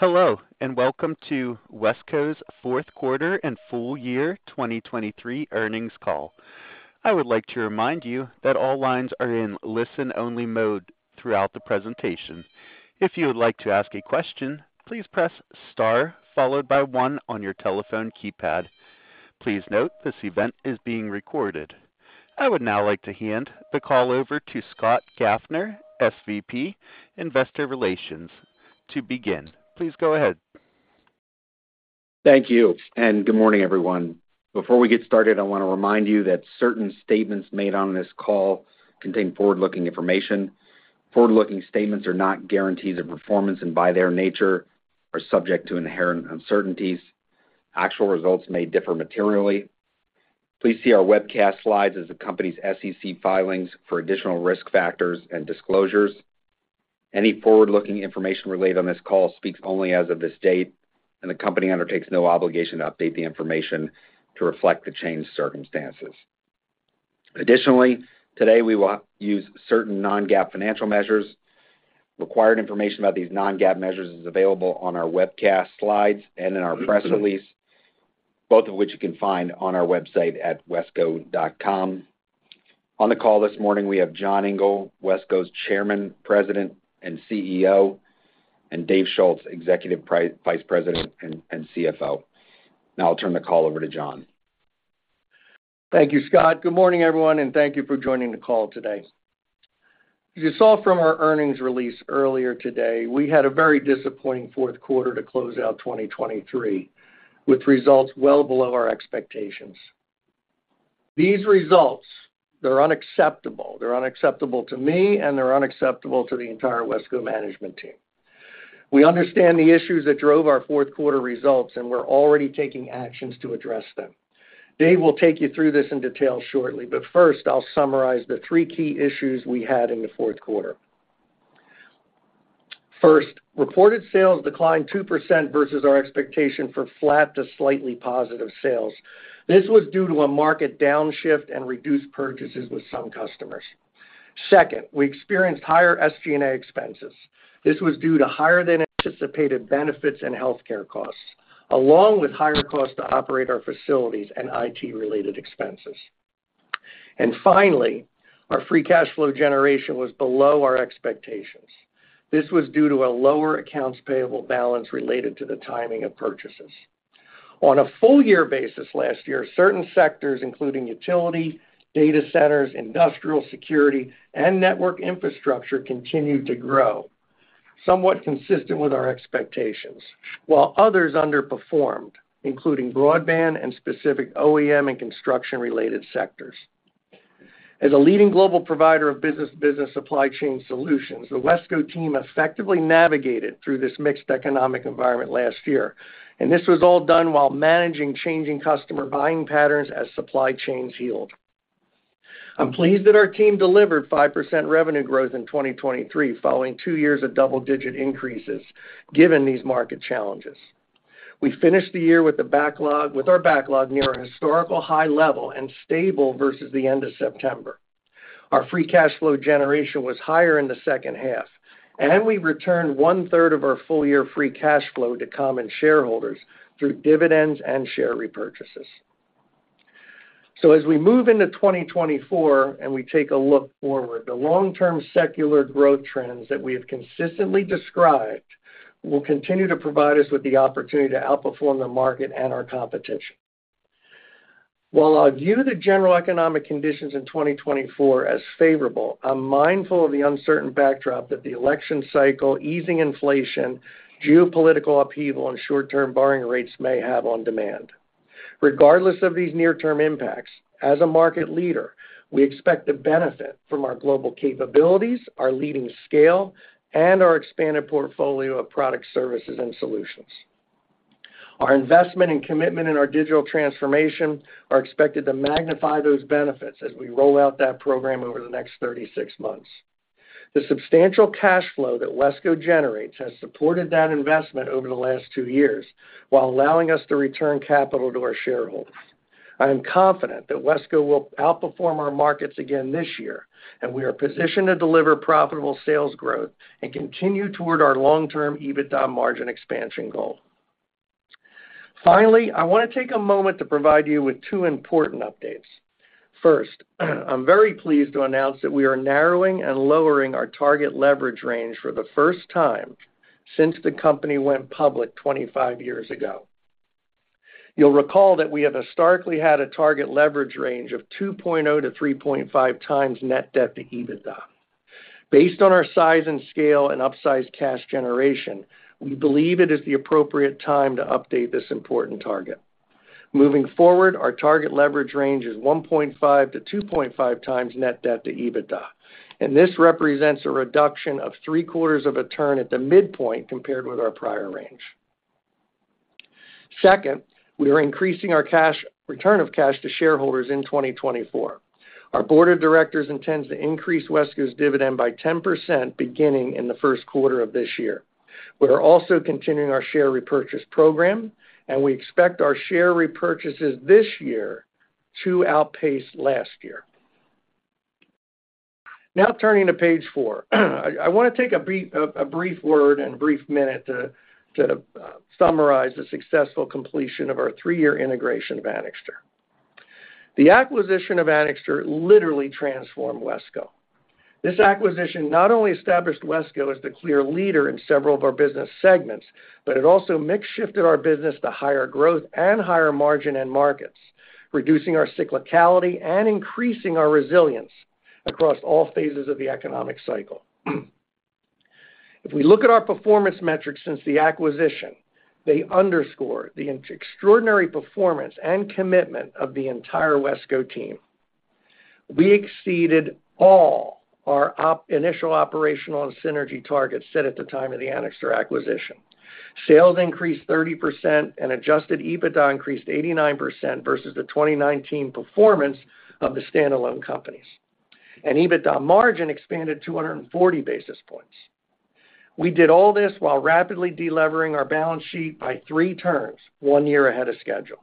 Hello and welcome to WESCO's fourth quarter and full-year 2023 earnings call. I would like to remind you that all lines are in listen-only mode throughout the presentation. If you would like to ask a question, please press star followed by one on your telephone keypad. Please note this event is being recorded. I would now like to hand the call over to Scott Gaffner, SVP, Investor Relations. To begin, please go ahead. Thank you, and good morning, everyone. Before we get started, I want to remind you that certain statements made on this call contain forward-looking information. Forward-looking statements are not guarantees of performance, and by their nature, are subject to inherent uncertainties. Actual results may differ materially. Please see our webcast slides as the company's SEC filings for additional risk factors and disclosures. Any forward-looking information related on this call speaks only as of this date, and the company undertakes no obligation to update the information to reflect the changed circumstances. Additionally, today we will use certain non-GAAP financial measures. Required information about these non-GAAP measures is available on our webcast slides and in our press release, both of which you can find on our website at wesco.com. On the call this morning, we have John Engel, WESCO's Chairman, President and CEO, and Dave Schulz, Executive Vice President and CFO. Now I'll turn the call over to John. Thank you, Scott. Good morning, everyone, and thank you for joining the call today. As you saw from our earnings release earlier today, we had a very disappointing fourth quarter to close out 2023 with results well below our expectations. These results, they're unacceptable. They're unacceptable to me, and they're unacceptable to the entire WESCO management team. We understand the issues that drove our fourth quarter results, and we're already taking actions to address them. Dave will take you through this in detail shortly, but first I'll summarize the three key issues we had in the fourth quarter. First, reported sales declined 2% versus our expectation for flat to slightly positive sales. This was due to a market downshift and reduced purchases with some customers. Second, we experienced higher SG&A expenses. This was due to higher-than-anticipated benefits and healthcare costs, along with higher costs to operate our facilities and IT-related expenses. Finally, our Free Cash Flow generation was below our expectations. This was due to a lower accounts payable balance related to the timing of purchases. On a full-year basis last year, certain sectors, including utility, data centers, industrial security, and network infrastructure, continued to grow, somewhat consistent with our expectations, while others underperformed, including broadband and specific OEM and construction-related sectors. As a leading global provider of business-to-business supply chain solutions, the WESCO team effectively navigated through this mixed economic environment last year, and this was all done while managing changing customer buying patterns as supply chains healed. I'm pleased that our team delivered 5% revenue growth in 2023 following two years of double-digit increases, given these market challenges. We finished the year with our backlog near a historical high level and stable versus the end of September. Our free cash flow generation was higher in the second half, and we returned 1/3 of our full-year free cash flow to common shareholders through dividends and share repurchases. So as we move into 2024 and we take a look forward, the long-term secular growth trends that we have consistently described will continue to provide us with the opportunity to outperform the market and our competition. While I view the general economic conditions in 2024 as favorable, I'm mindful of the uncertain backdrop that the election cycle, easing inflation, geopolitical upheaval, and short-term borrowing rates may have on demand. Regardless of these near-term impacts, as a market leader, we expect to benefit from our global capabilities, our leading scale, and our expanded portfolio of products, services, and solutions. Our investment and commitment in our digital transformation are expected to magnify those benefits as we roll out that program over the next 36 months. The substantial cash flow that WESCO generates has supported that investment over the last two years while allowing us to return capital to our shareholders. I am confident that WESCO will outperform our markets again this year, and we are positioned to deliver profitable sales growth and continue toward our long-term EBITDA margin expansion goal. Finally, I want to take a moment to provide you with two important updates. First, I'm very pleased to announce that we are narrowing and lowering our target leverage range for the first time since the company went public 25 years ago. You'll recall that we have historically had a target leverage range of 2.0x-3.5x net debt-to-EBITDA. Based on our size and scale and upsized cash generation, we believe it is the appropriate time to update this important target. Moving forward, our target leverage range is 1.5x-2.5x net debt-to-EBITDA, and this represents a reduction of three-quarters of a turn at the midpoint compared with our prior range. Second, we are increasing our return of cash to shareholders in 2024. Our board of directors intends to increase WESCO's dividend by 10% beginning in the first quarter of this year. We are also continuing our share repurchase program, and we expect our share repurchases this year to outpace last year. Now turning to page four, I want to take a brief word and brief minute to summarize the successful completion of our three-year integration of Anixter. The acquisition of Anixter literally transformed WESCO. This acquisition not only established WESCO as the clear leader in several of our business segments, but it also shifted our business to higher growth and higher margin and markets, reducing our cyclicality and increasing our resilience across all phases of the economic cycle. If we look at our performance metrics since the acquisition, they underscore the extraordinary performance and commitment of the entire WESCO team. We exceeded all our initial operational and synergy targets set at the time of the Anixter acquisition. Sales increased 30% and adjusted EBITDA increased 89% versus the 2019 performance of the standalone companies, and EBITDA margin expanded 240 basis points. We did all this while rapidly delevering our balance sheet by three turns one year ahead of schedule.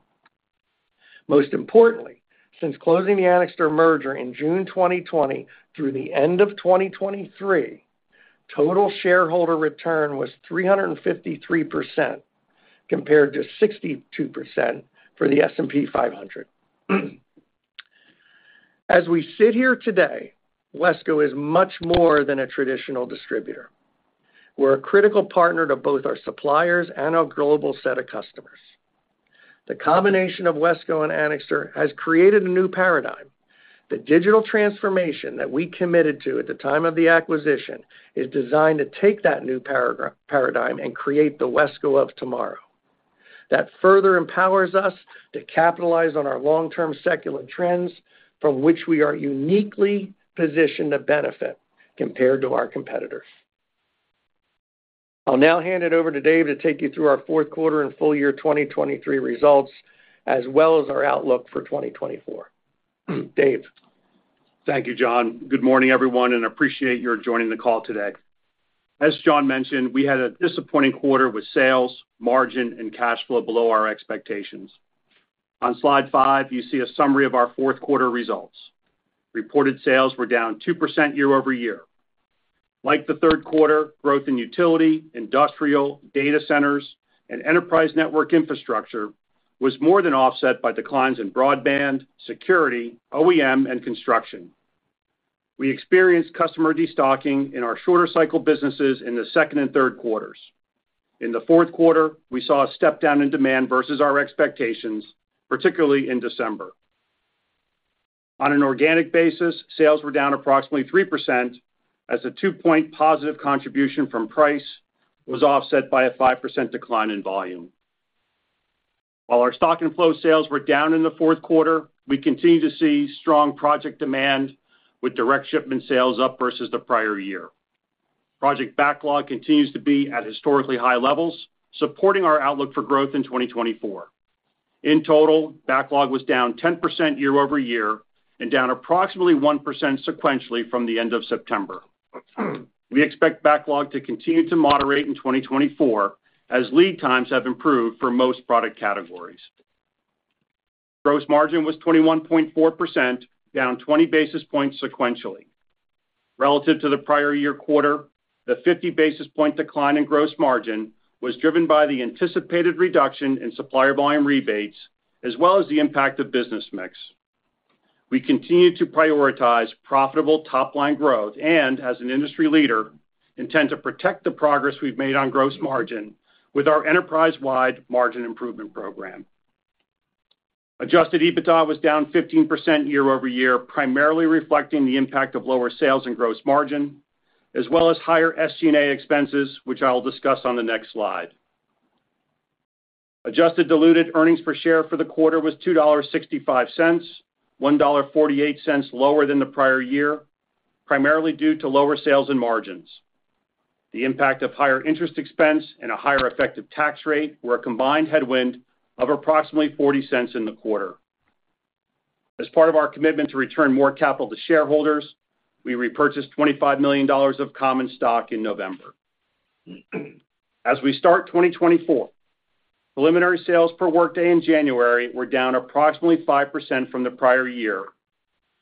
Most importantly, since closing the Anixter merger in June 2020 through the end of 2023, total shareholder return was 353% compared to 62% for the S&P 500. As we sit here today, WESCO is much more than a traditional distributor. We're a critical partner to both our suppliers and our global set of customers. The combination of WESCO and Anixter has created a new paradigm. The digital transformation that we committed to at the time of the acquisition is designed to take that new paradigm and create the WESCO of tomorrow. That further empowers us to capitalize on our long-term secular trends from which we are uniquely positioned to benefit compared to our competitors. I'll now hand it over to Dave to take you through our fourth quarter and full-year 2023 results, as well as our outlook for 2024. Dave. Thank you, John. Good morning, everyone, and appreciate your joining the call today. As John mentioned, we had a disappointing quarter with sales, margin, and cash flow below our expectations. On slide five, you see a summary of our fourth quarter results. Reported sales were down 2% year-over-year. Like the third quarter, growth in utility, industrial, data centers, and enterprise network infrastructure was more than offset by declines in broadband, security, OEM, and construction. We experienced customer destocking in our shorter-cycle businesses in the second and third quarters. In the fourth quarter, we saw a step down in demand versus our expectations, particularly in December. On an organic basis, sales were down approximately 3% as a 2-point positive contribution from price was offset by a 5% decline in volume. While our stock and flow sales were down in the fourth quarter, we continue to see strong project demand with direct shipment sales up versus the prior year. Project backlog continues to be at historically high levels, supporting our outlook for growth in 2024. In total, backlog was down 10% year-over-year and down approximately 1% sequentially from the end of September. We expect backlog to continue to moderate in 2024 as lead times have improved for most product categories. Gross margin was 21.4%, down 20 basis points sequentially. Relative to the prior year quarter, the 50 basis point decline in gross margin was driven by the anticipated reduction in supplier volume rebates, as well as the impact of business mix. We continue to prioritize profitable top-line growth and, as an industry leader, intend to protect the progress we've made on gross margin with our enterprise-wide margin improvement program. Adjusted EBITDA was down 15% year-over-year, primarily reflecting the impact of lower sales and gross margin, as well as higher SG&A expenses, which I'll discuss on the next slide. Adjusted diluted earnings per share for the quarter was $2.65, $1.48 lower than the prior year, primarily due to lower sales and margins. The impact of higher interest expense and a higher effective tax rate were a combined headwind of approximately $0.40 in the quarter. As part of our commitment to return more capital to shareholders, we repurchased $25 million of common stock in November. As we start 2024, preliminary sales per workday in January were down approximately 5% from the prior year,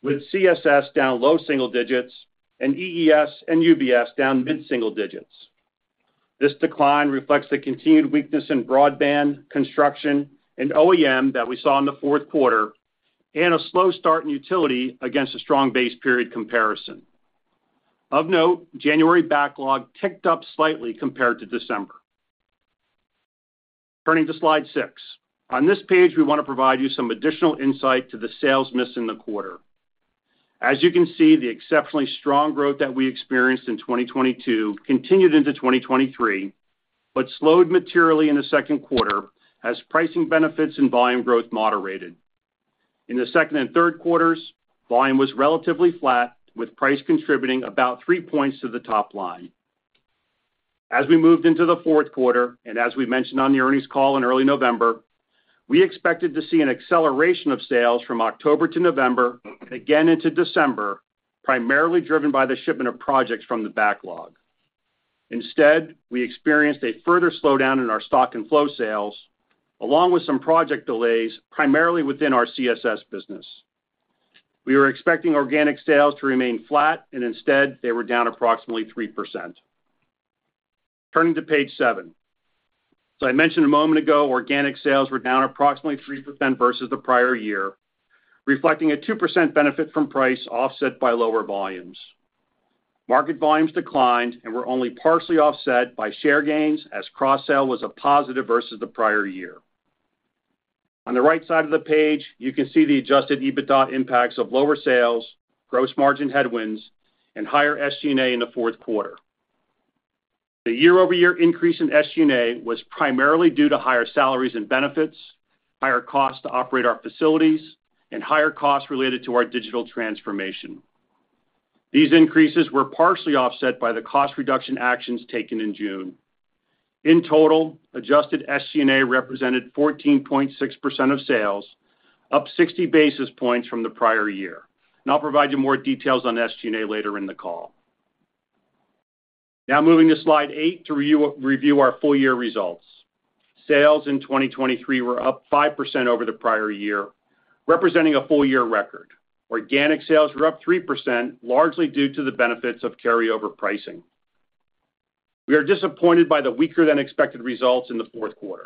with CSS down low-single digits and EES and UBS down mid-single digits. This decline reflects the continued weakness in broadband, construction, and OEM that we saw in the fourth quarter, and a slow start in utility against a strong base period comparison. Of note, January backlog ticked up slightly compared to December. Turning to slide six. On this page, we want to provide you some additional insight to the sales miss in the quarter. As you can see, the exceptionally strong growth that we experienced in 2022 continued into 2023 but slowed materially in the second quarter as pricing benefits and volume growth moderated. In the second and third quarters, volume was relatively flat, with price contributing about 3 points to the top line. As we moved into the fourth quarter and as we mentioned on the earnings call in early November, we expected to see an acceleration of sales from October to November and again into December, primarily driven by the shipment of projects from the backlog. Instead, we experienced a further slowdown in our stock and flow sales, along with some project delays, primarily within our CSS business. We were expecting organic sales to remain flat, and instead, they were down approximately 3%. Turning to page seven. As I mentioned a moment ago, organic sales were down approximately 3% versus the prior year, reflecting a 2% benefit from price offset by lower volumes. Market volumes declined and were only partially offset by share gains as cross-sale was a positive versus the prior year. On the right side of the page, you can see the adjusted EBITDA impacts of lower sales, gross margin headwinds, and higher SG&A in the fourth quarter. The year-over-year increase in SG&A was primarily due to higher salaries and benefits, higher costs to operate our facilities, and higher costs related to our digital transformation. These increases were partially offset by the cost reduction actions taken in June. In total, adjusted SG&A represented 14.6% of sales, up 60 basis points from the prior year. I'll provide you more details on SG&A later in the call. Now moving to slide eight to review our full-year results. Sales in 2023 were up 5% over the prior year, representing a full-year record. Organic sales were up 3%, largely due to the benefits of carryover pricing. We are disappointed by the weaker-than-expected results in the fourth quarter.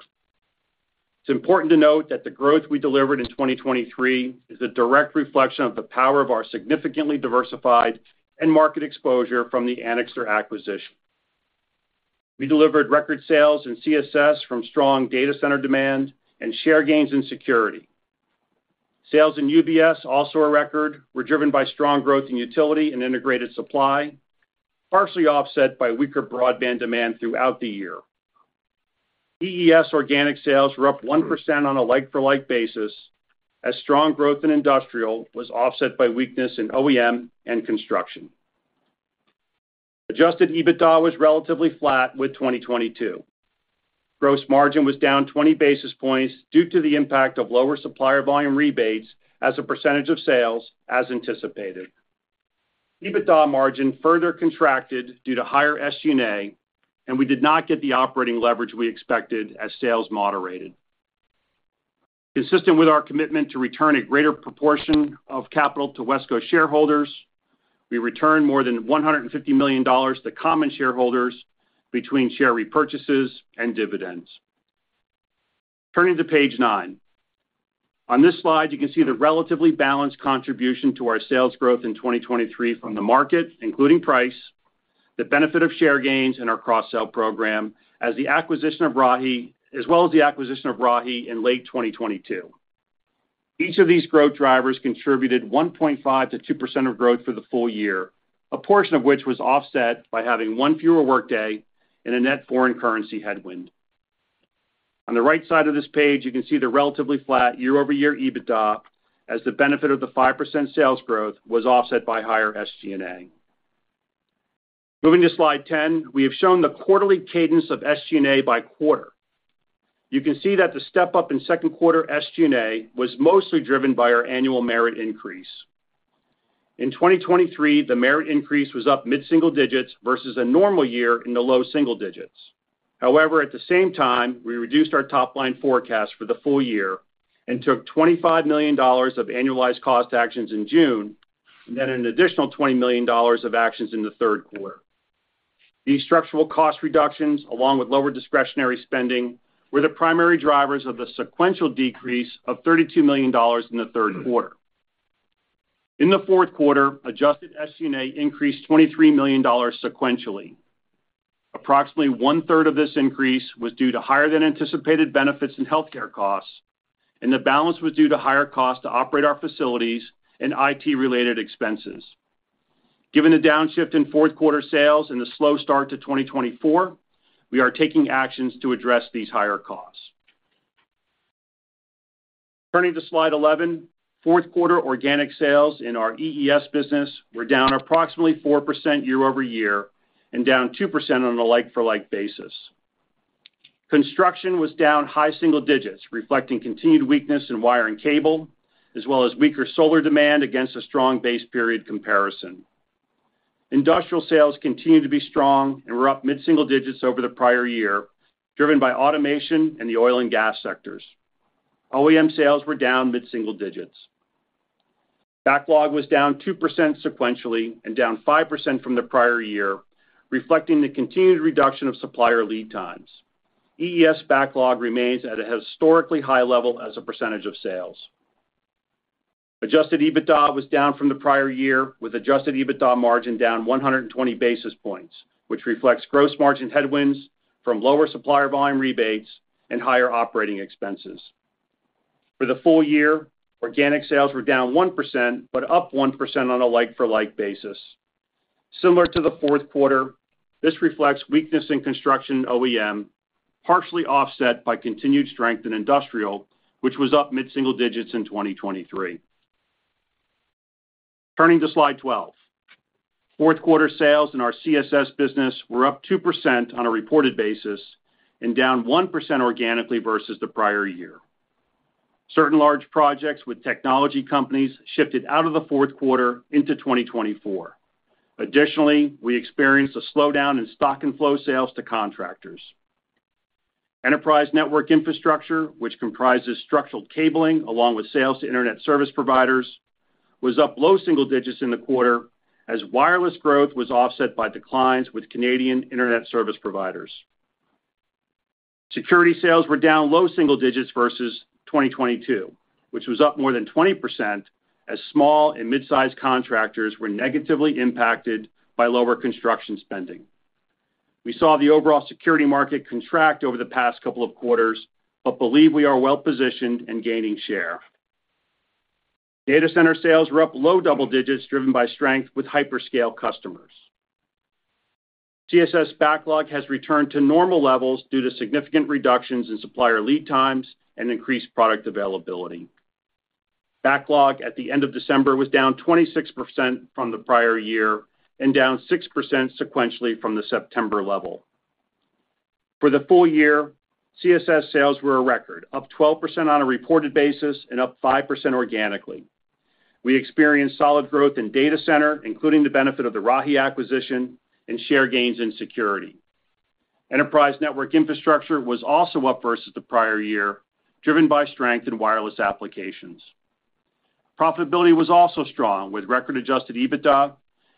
It's important to note that the growth we delivered in 2023 is a direct reflection of the power of our significantly diversified and market exposure from the Anixter acquisition. We delivered record sales in CSS from strong data center demand and share gains in security. Sales in UBS, also a record, were driven by strong growth in utility and integrated supply, partially offset by weaker broadband demand throughout the year. EES organic sales were up 1% on a like-for-like basis as strong growth in industrial was offset by weakness in OEM and construction. Adjusted EBITDA was relatively flat with 2022. Gross margin was down 20 basis points due to the impact of lower supplier volume rebates as a percentage of sales, as anticipated. EBITDA margin further contracted due to higher SG&A, and we did not get the operating leverage we expected as sales moderated. Consistent with our commitment to return a greater proportion of capital to WESCO shareholders, we returned more than $150 million to common shareholders between share repurchases and dividends. Turning to page nine. On this slide, you can see the relatively balanced contribution to our sales growth in 2023 from the market, including price, the benefit of share gains, and our cross-sale program as the acquisition of Rahi, as well as the acquisition of Rahi in late 2022. Each of these growth drivers contributed 1.5%-2% of growth for the full-year, a portion of which was offset by having one fewer workday and a net foreign currency headwind. On the right side of this page, you can see the relatively flat year-over-year EBITDA as the benefit of the 5% sales growth was offset by higher SG&A. Moving to slide 10, we have shown the quarterly cadence of SG&A by quarter. You can see that the step up in second quarter SG&A was mostly driven by our annual merit increase. In 2023, the merit increase was up mid-single digits versus a normal year in the low-single digits. However, at the same time, we reduced our top-line forecast for the full-year and took $25 million of annualized cost actions in June and then an additional $20 million of actions in the third quarter. These structural cost reductions, along with lower discretionary spending, were the primary drivers of the sequential decrease of $32 million in the third quarter. In the fourth quarter, adjusted SG&A increased $23 million sequentially. Approximately 1/3 of this increase was due to higher-than-anticipated benefits and healthcare costs, and the balance was due to higher costs to operate our facilities and IT-related expenses. Given the downshift in fourth quarter sales and the slow start to 2024, we are taking actions to address these higher costs. Turning to slide 11, fourth quarter organic sales in our EES business were down approximately 4% year-over-year and down 2% on a like-for-like basis. Construction was down high single digits, reflecting continued weakness in wire and cable, as well as weaker solar demand against a strong base period comparison. Industrial sales continued to be strong and were up mid-single digits over the prior year, driven by automation and the oil and gas sectors. OEM sales were down mid-single digits. Backlog was down 2% sequentially and down 5% from the prior year, reflecting the continued reduction of supplier lead times. EES backlog remains at a historically high level as a percentage of sales. Adjusted EBITDA was down from the prior year, with adjusted EBITDA margin down 120 basis points, which reflects gross margin headwinds from lower supplier volume rebates and higher operating expenses. For the full-year, organic sales were down 1% but up 1% on a like-for-like basis. Similar to the fourth quarter, this reflects weakness in construction OEM, partially offset by continued strength in industrial, which was up mid-single digits in 2023. Turning to slide 12. Fourth quarter sales in our CSS business were up 2% on a reported basis and down 1% organically versus the prior year. Certain large projects with technology companies shifted out of the fourth quarter into 2024. Additionally, we experienced a slowdown in stock and flow sales to contractors. Enterprise network infrastructure, which comprises structural cabling along with sales to internet service providers, was up low-single digits in the quarter as wireless growth was offset by declines with Canadian internet service providers. Security sales were down low-single digits versus 2022, which was up more than 20% as small and midsize contractors were negatively impacted by lower construction spending. We saw the overall security market contract over the past couple of quarters but believe we are well-positioned and gaining share. Data center sales were up low double digits, driven by strength with hyperscale customers. CSS backlog has returned to normal levels due to significant reductions in supplier lead times and increased product availability. Backlog at the end of December was down 26% from the prior year and down 6% sequentially from the September level. For the full-year, CSS sales were a record, up 12% on a reported basis and up 5% organically. We experienced solid growth in data center, including the benefit of the Rahi acquisition, and share gains in security. Enterprise network infrastructure was also up versus the prior year, driven by strength in wireless applications. Profitability was also strong with record adjusted EBITDA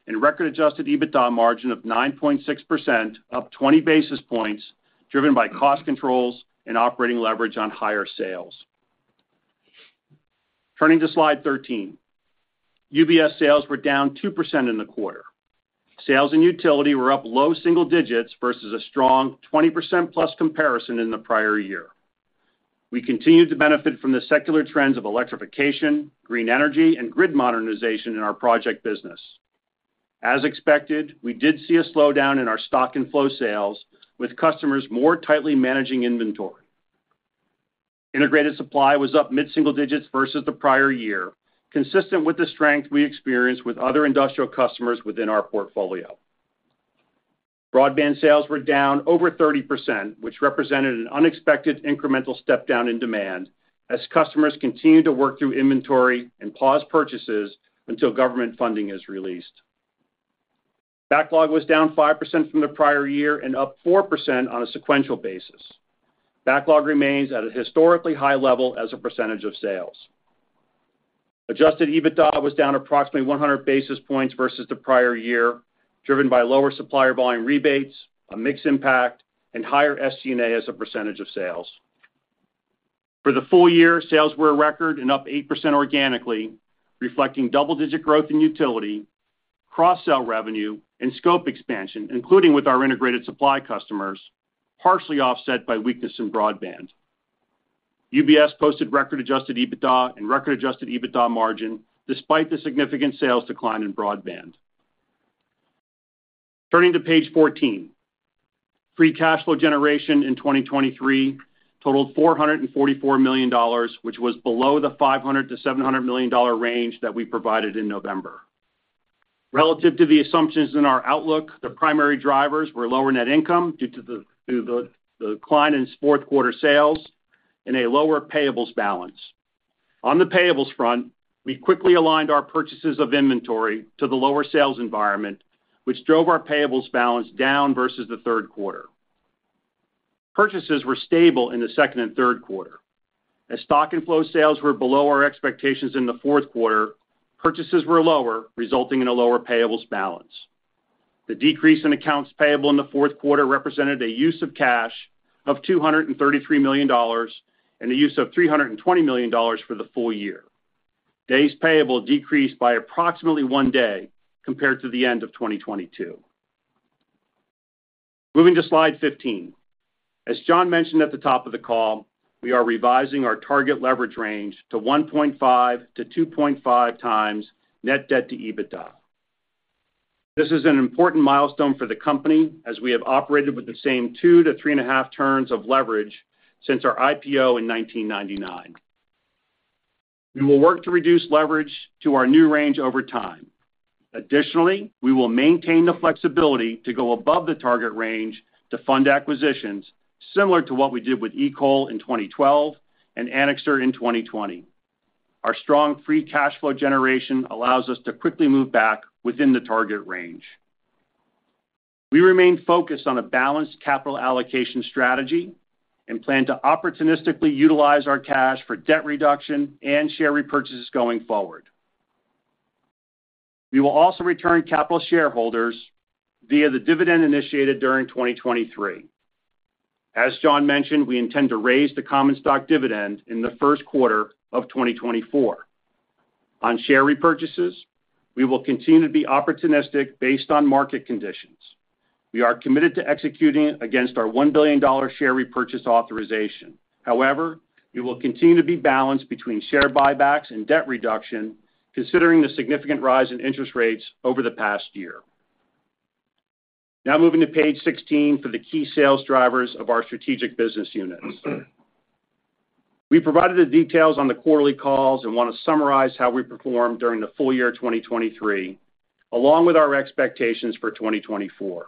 and record adjusted EBITDA margin of 9.6%, up 20 basis points, driven by cost controls and operating leverage on higher sales. Turning to slide 13. UBS sales were down 2% in the quarter. Sales in utility were up low-single digits versus a strong 20%-plus comparison in the prior year. We continued to benefit from the secular trends of electrification, green energy, and grid modernization in our project business. As expected, we did see a slowdown in our stock and flow sales, with customers more tightly managing inventory. Integrated supply was up mid-single digits versus the prior year, consistent with the strength we experienced with other industrial customers within our portfolio. Broadband sales were down over 30%, which represented an unexpected incremental step down in demand as customers continue to work through inventory and pause purchases until government funding is released. Backlog was down 5% from the prior year and up 4% on a sequential basis. Backlog remains at a historically high level as a percentage of sales. Adjusted EBITDA was down approximately 100 basis points versus the prior year, driven by lower supplier volume rebates, a mixed impact, and higher SG&A as a percentage of sales. For the full-year, sales were a record and up 8% organically, reflecting double-digit growth in utility, cross-sale revenue, and scope expansion, including with our integrated supply customers, partially offset by weakness in broadband. UBS posted record adjusted EBITDA and record adjusted EBITDA margin despite the significant sales decline in broadband. Turning to page 14. Free Cash Flow generation in 2023 totaled $444 million, which was below the $500-$700 million range that we provided in November. Relative to the assumptions in our outlook, the primary drivers were lower net income due to the decline in fourth quarter sales and a lower payables balance. On the payables front, we quickly aligned our purchases of inventory to the lower sales environment, which drove our payables balance down versus the third quarter. Purchases were stable in the second and third quarter. As Stock and Flow sales were below our expectations in the fourth quarter, purchases were lower, resulting in a lower payables balance. The decrease in accounts payable in the fourth quarter represented a use of cash of $233 million and a use of $320 million for the full-year. Days payable decreased by approximately one day compared to the end of 2022. Moving to slide 15. As John mentioned at the top of the call, we are revising our target leverage range to 1.5x-2.5x net debt-to-EBITDA. This is an important milestone for the company as we have operated with the same 2-3.5 turns of leverage since our IPO in 1999. We will work to reduce leverage to our new range over time. Additionally, we will maintain the flexibility to go above the target range to fund acquisitions, similar to what we did with EECOL in 2012 and Anixter in 2020. Our strong free cash flow generation allows us to quickly move back within the target range. We remain focused on a balanced capital allocation strategy and plan to opportunistically utilize our cash for debt reduction and share repurchases going forward. We will also return capital shareholders via the dividend initiated during 2023. As John mentioned, we intend to raise the common stock dividend in the first quarter of 2024. On share repurchases, we will continue to be opportunistic based on market conditions. We are committed to executing against our $1 billion share repurchase authorization. However, we will continue to be balanced between share buybacks and debt reduction, considering the significant rise in interest rates over the past year. Now moving to page 16 for the key sales drivers of our strategic business units. We provided the details on the quarterly calls and want to summarize how we performed during the full-year 2023, along with our expectations for 2024.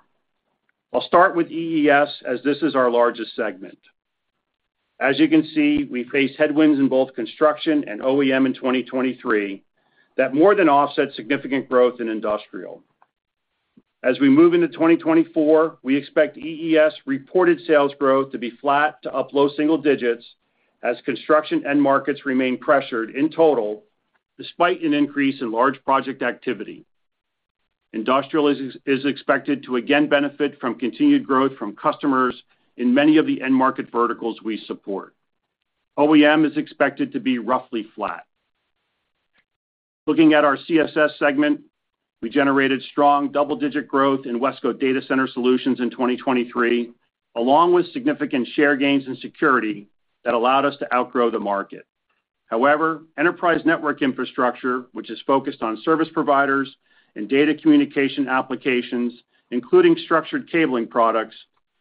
I'll start with EES as this is our largest segment. As you can see, we face headwinds in both construction and OEM in 2023 that more than offset significant growth in industrial. As we move into 2024, we expect EES reported sales growth to be flat to up low-single digits as construction end markets remain pressured in total despite an increase in large project activity. Industrial is expected to again benefit from continued growth from customers in many of the end market verticals we support. OEM is expected to be roughly flat. Looking at our CSS segment, we generated strong double-digit growth in WESCO Data Center Solutions in 2023, along with significant share gains in security that allowed us to outgrow the market. However, enterprise network infrastructure, which is focused on service providers and data communication applications, including structured cabling products,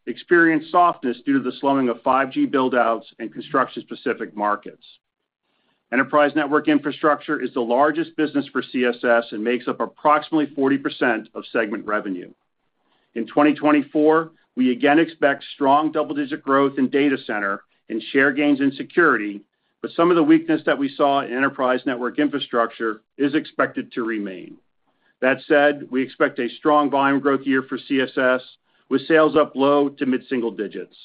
experienced softness due to the slowing of 5G buildouts and construction-specific markets. Enterprise network infrastructure is the largest business for CSS and makes up approximately 40% of segment revenue. In 2024, we again expect strong double-digit growth in data center and share gains in security, but some of the weakness that we saw in enterprise network infrastructure is expected to remain. That said, we expect a strong volume growth year for CSS with sales up low to mid-single digits.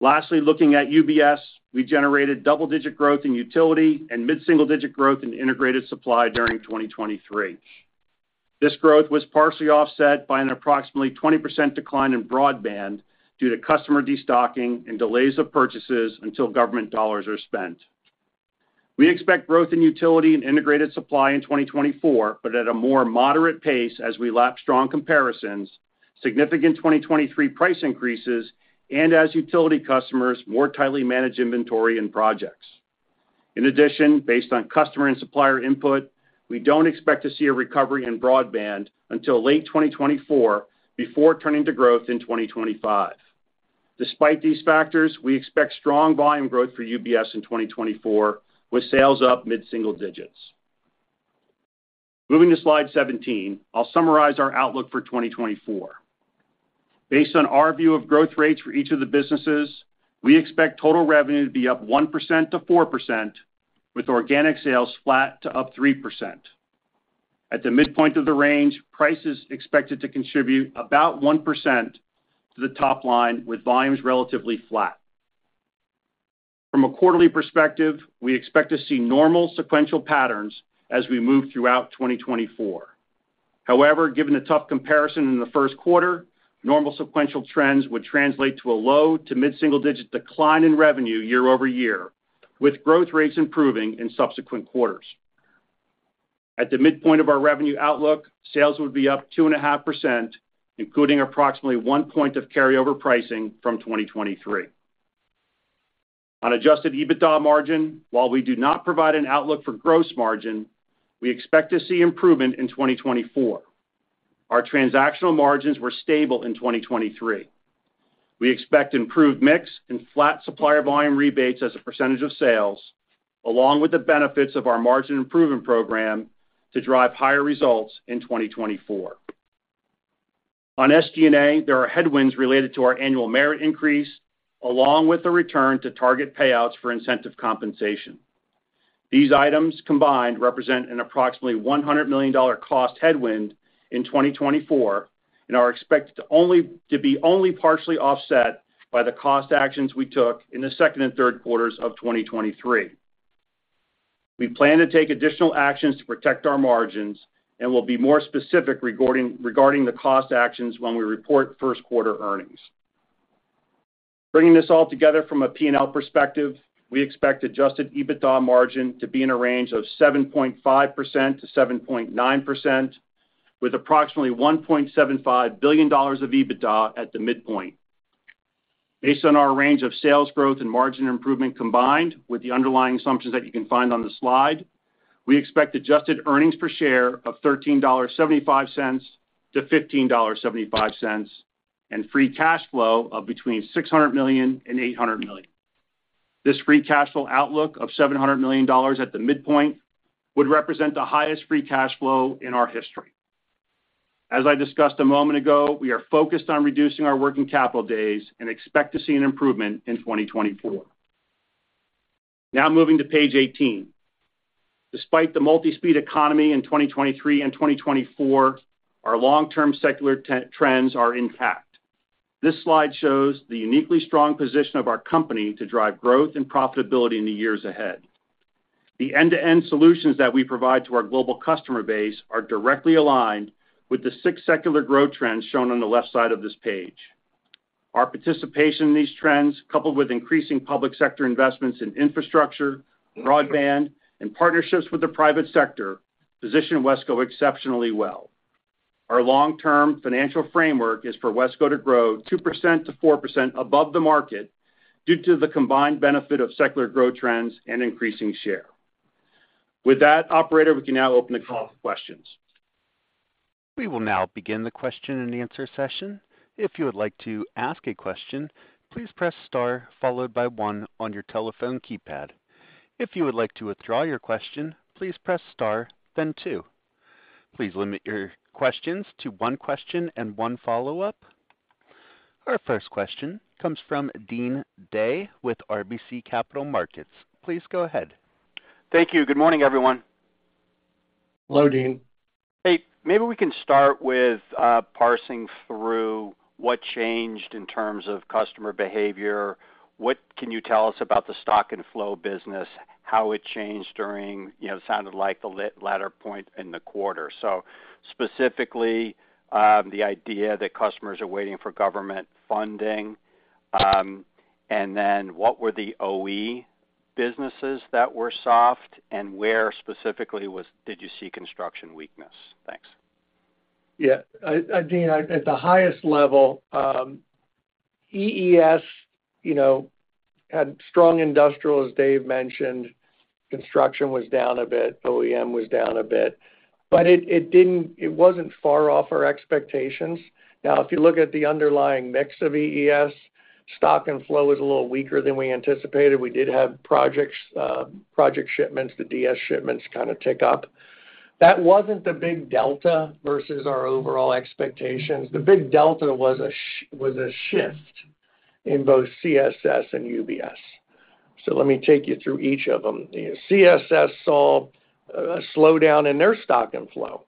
Lastly, looking at UBS, we generated double-digit growth in utility and mid-single digit growth in integrated supply during 2023. This growth was partially offset by an approximately 20% decline in broadband due to customer destocking and delays of purchases until government dollars are spent. We expect growth in utility and integrated supply in 2024, but at a more moderate pace as we lap strong comparisons, significant 2023 price increases, and as utility customers more tightly manage inventory and projects. In addition, based on customer and supplier input, we don't expect to see a recovery in broadband until late 2024 before turning to growth in 2025. Despite these factors, we expect strong volume growth for UBS in 2024 with sales up mid-single digits. Moving to slide 17, I'll summarize our outlook for 2024. Based on our view of growth rates for each of the businesses, we expect total revenue to be up 1%-4%, with organic sales flat to up 3%. At the midpoint of the range, prices expected to contribute about 1% to the top line with volumes relatively flat. From a quarterly perspective, we expect to see normal sequential patterns as we move throughout 2024. However, given the tough comparison in the first quarter, normal sequential trends would translate to a low- to mid-single-digit decline in revenue year-over-year, with growth rates improving in subsequent quarters. At the midpoint of our revenue outlook, sales would be up 2.5%, including approximately 1 point of carryover pricing from 2023. On adjusted EBITDA margin, while we do not provide an outlook for gross margin, we expect to see improvement in 2024. Our transactional margins were stable in 2023. We expect improved mix and flat supplier volume rebates as a percentage of sales, along with the benefits of our margin improvement program to drive higher results in 2024. On SG&A, there are headwinds related to our annual merit increase, along with a return to target payouts for incentive compensation. These items combined represent an approximately $100 million cost headwind in 2024 and are expected to be only partially offset by the cost actions we took in the second and third quarters of 2023. We plan to take additional actions to protect our margins and will be more specific regarding the cost actions when we report first quarter earnings. Bringing this all together from a P&L perspective, we expect adjusted EBITDA margin to be in a range of 7.5%-7.9%, with approximately $1.75 billion of EBITDA at the midpoint. Based on our range of sales growth and margin improvement combined with the underlying assumptions that you can find on the slide, we expect adjusted earnings per share of $13.75-$15.75 and free cash flow of between $600 million and $800 million. This free cash flow outlook of $700 million at the midpoint would represent the highest free cash flow in our history. As I discussed a moment ago, we are focused on reducing our working capital days and expect to see an improvement in 2024. Now moving to page 18. Despite the multi-speed economy in 2023 and 2024, our long-term secular trends are intact. This slide shows the uniquely strong position of our company to drive growth and profitability in the years ahead. The end-to-end solutions that we provide to our global customer base are directly aligned with the six secular growth trends shown on the left side of this page. Our participation in these trends, coupled with increasing public sector investments in infrastructure, broadband, and partnerships with the private sector, position WESCO exceptionally well. Our long-term financial framework is for WESCO to grow 2%-4% above the market due to the combined benefit of secular growth trends and increasing share. With that, operator, we can now open the call for questions. We will now begin the question and answer session. If you would like to ask a question, please press star followed by one on your telephone keypad. If you would like to withdraw your question, please press star, then two. Please limit your questions to one question and one follow-up. Our first question comes from Deane Dray with RBC Capital Markets. Please go ahead. Thank you. Good morning, everyone. Hello, Deane. Hey, maybe we can start with parsing through what changed in terms of customer behavior. What can you tell us about the stock and flow business, how it changed during sounded like the latter point in the quarter? So specifically, the idea that customers are waiting for government funding, and then what were the OEM businesses that were soft, and where specifically did you see construction weakness? Thanks. Yeah. Deane, at the highest level, EES had strong industrial, as Dave mentioned. Construction was down a bit. OEM was down a bit. But it wasn't far off our expectations. Now, if you look at the underlying mix of EES, stock and flow was a little weaker than we anticipated. We did have project shipments, the DS shipments, kind of tick up. That wasn't the big delta versus our overall expectations. The big delta was a shift in both CSS and UBS. So let me take you through each of them. CSS saw a slowdown in their Stock and Flow,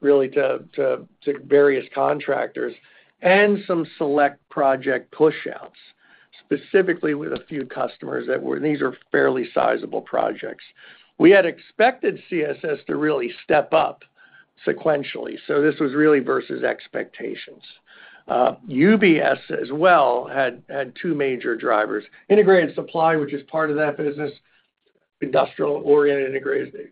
really, to various contractors and some select project pushouts, specifically with a few customers that were these are fairly sizable projects. We had expected CSS to really step up sequentially. So this was really versus expectations. UBS as well had two major drivers: integrated supply, which is part of that business, industrial-oriented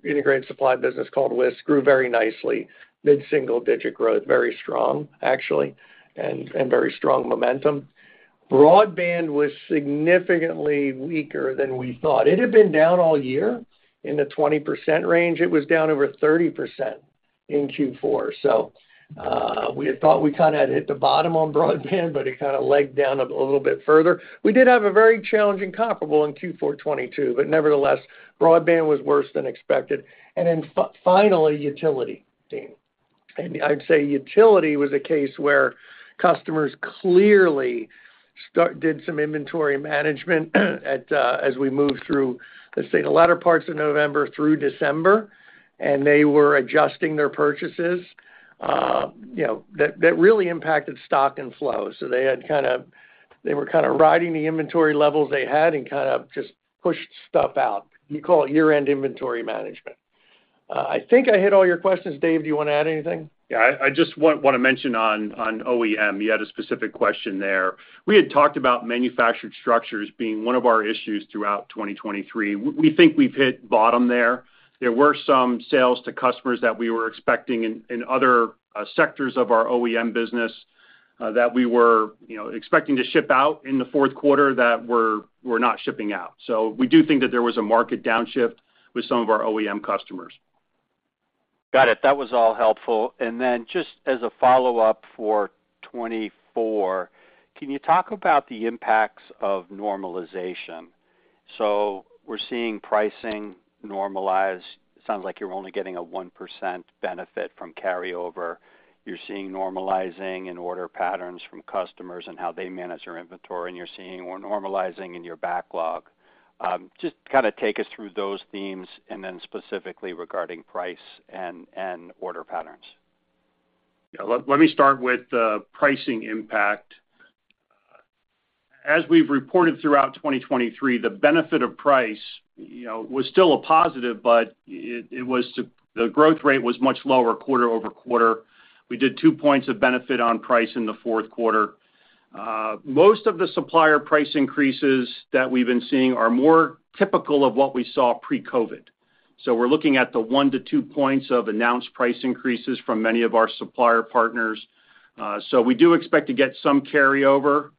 integrated supply business called WIS, grew very nicely, mid-single-digit growth, very strong, actually, and very strong momentum. Broadband was significantly weaker than we thought. It had been down all year in the 20% range. It was down over 30% in Q4. So we had thought we kind of had hit the bottom on broadband, but it kind of legged down a little bit further. We did have a very challenging comparable in Q4 2022, but nevertheless, broadband was worse than expected. And then finally, utility, Deane. And I'd say utility was a case where customers clearly did some inventory management as we moved through, let's say, the latter parts of November through December, and they were adjusting their purchases. That really impacted stock and flow. So they had kind of they were kind of riding the inventory levels they had and kind of just pushed stuff out. You call it year-end inventory management. I think I hit all your questions. Dave, do you want to add anything? Yeah. I just want to mention on OEM, you had a specific question there. We had talked about manufactured structures being one of our issues throughout 2023. We think we've hit bottom there. There were some sales to customers that we were expecting in other sectors of our OEM business that we were expecting to ship out in the fourth quarter that we're not shipping out. So we do think that there was a market downshift with some of our OEM customers. Got it. That was all helpful. Then just as a follow-up for 2024, can you talk about the impacts of normalization? So we're seeing pricing normalize. Sounds like you're only getting a 1% benefit from carryover. You're seeing normalizing in order patterns from customers and how they manage their inventory, and you're seeing normalizing in your backlog. Just kind of take us through those themes and then specifically regarding price and order patterns. Yeah. Let me start with the pricing impact. As we've reported throughout 2023, the benefit of price was still a positive, but the growth rate was much lower quarter-over-quarter. We did 2 points of benefit on price in the fourth quarter. Most of the supplier price increases that we've been seeing are more typical of what we saw pre-COVID. So we're looking at the 1-2 points of announced price increases from many of our supplier partners. So we do expect to get some carryover.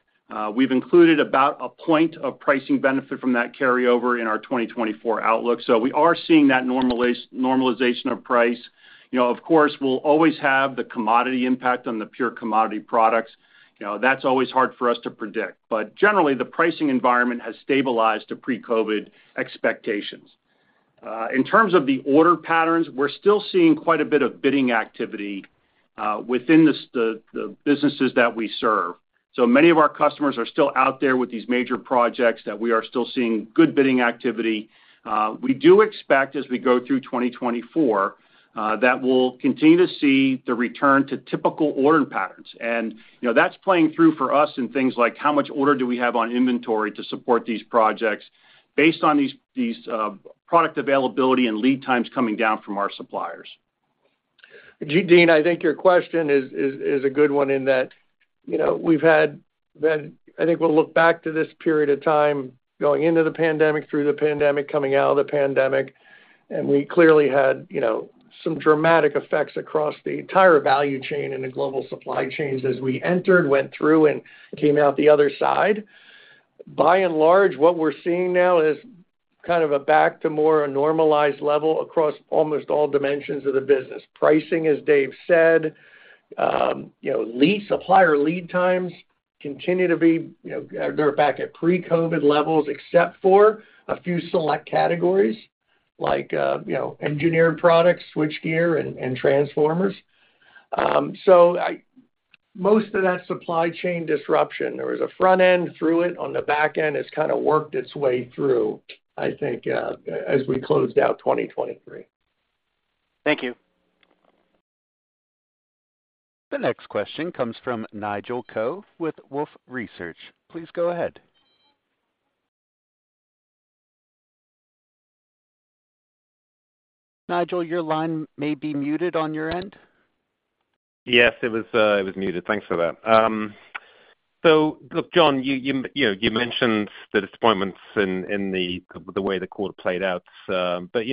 We've included about 1 point of pricing benefit from that carryover in our 2024 outlook. So we are seeing that normalization of price. Of course, we'll always have the commodity impact on the pure commodity products. That's always hard for us to predict. But generally, the pricing environment has stabilized to pre-COVID expectations. In terms of the order patterns, we're still seeing quite a bit of bidding activity within the businesses that we serve. So many of our customers are still out there with these major projects that we are still seeing good bidding activity. We do expect, as we go through 2024, that we'll continue to see the return to typical order patterns. And that's playing through for us in things like how much order do we have on inventory to support these projects based on these product availability and lead times coming down from our suppliers. Deane, I think your question is a good one in that we've had then I think we'll look back to this period of time going into the pandemic, through the pandemic, coming out of the pandemic. And we clearly had some dramatic effects across the entire value chain and the global supply chains as we entered, went through, and came out the other side. By and large, what we're seeing now is kind of a back to more a normalized level across almost all dimensions of the business. Pricing, as Dave said, supplier lead times continue to be they're back at pre-COVID levels, except for a few select categories like engineered products, switchgear, and transformers. So most of that supply chain disruption, there was a front-end through it. On the back end, it's kind of worked its way through, I think, as we closed out 2023. Thank you. The next question comes from Nigel Coe with Wolfe Research. Please go ahead. Nigel, your line may be muted on your end. Yes, it was muted. Thanks for that. So look, John, you mentioned the disappointments in the way the quarter played out. But